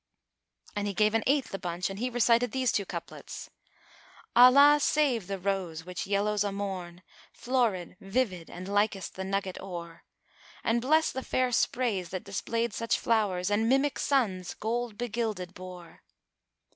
'" And he gave an eighth a bunch and he recited these two couplets, "Allah save the Rose which yellows a morn * Florid, vivid and likest the nugget ore; And bless the fair sprays that displayed such flowers * And mimic suns gold begilded bore."